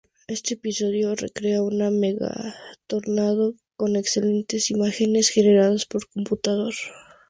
Este episodio recrea un mega-tornado con excelentes imágenes generadas por computador.